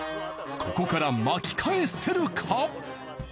ここから巻き返せるか？